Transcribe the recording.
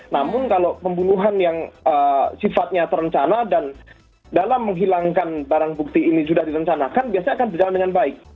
namun kalau pembunuhan yang sifatnya terencana dan dalam menghilangkan barang bukti ini sudah direncanakan biasanya akan berjalan dengan baik